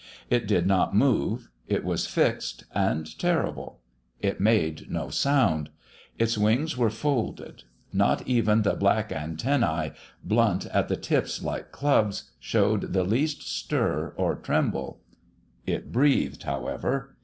It did not move. It was fixed and terrible. It made no sound. Its wings were folded. Not even the black antennae, blunt at the tips like clubs, showed the least stir or tremble. It breathed, however.